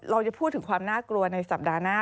เราจะพูดถึงความน่ากลัวในสัปดาห์หน้า